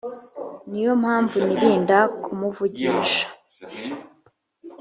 ni yo mpamvu nirinda kumuvugisha